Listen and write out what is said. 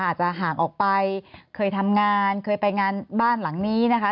อาจจะห่างออกไปเคยทำงานเคยไปงานบ้านหลังนี้นะคะ